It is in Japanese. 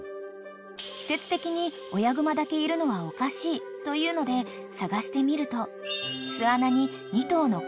［季節的に親グマだけいるのはおかしいというので探してみると］